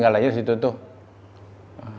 mencari rezeki di ibu kota